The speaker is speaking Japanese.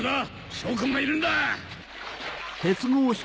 証拠がいるんだ！